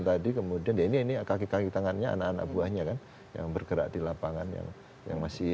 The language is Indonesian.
tadi kemudian ya ini ini kaki kaki tangannya anak anak buahnya kan yang bergerak di lapangan yang yang masih